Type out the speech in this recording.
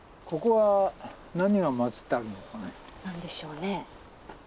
何でしょうね？